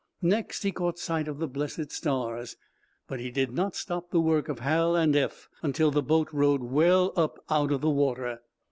Next, he caught sight of the blessed stars. But he did not stop the work of Hal and Eph until the boat rode well up out of the water.